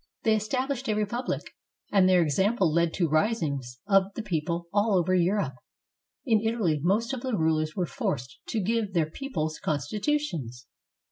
They established a repubUc, and their example led to risings of the people all over Europe. In Italy most of the rulers were forced to give their peoples constitutions.